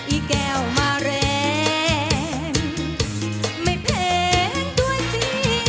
อีแก้วมาแรงไม่แพงด้วยสิ